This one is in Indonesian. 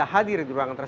jadinya aku ngeceh